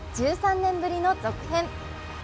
１３年ぶりの続編。